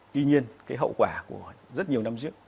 tuy nhiên cái hậu quả của rất nhiều năm trước